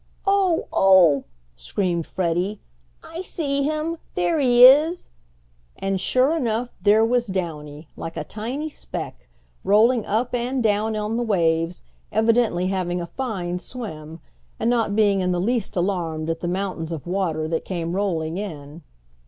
"Oh, oh!" screamed Freddie. "I see him! There he is!" and sure enough, there was Downy, like a tiny speck, rolling up and down on the waves, evidently having a fine swim, and not being in the least alarmed at the mountains of water that came rolling in.